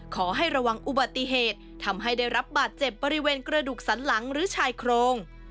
ขอให้ระวังอุบัติเหตุทำให้ได้รับบาดเจ็บบริเวณกระดูกสันหลังหรือชายโครง